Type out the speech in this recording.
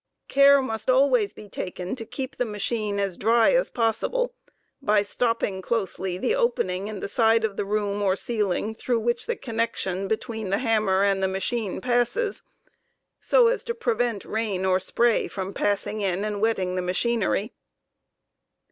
Care must always be taken to keep the machine as dry as possible, by stopping closely the opening in the side of the room or ceiling through which the connection between the hammer and the machine passes, so as to prevent rain or spray from pass ing in and wetting the machinery.